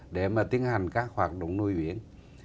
để mà tiến hành các hoạt động nuôi biển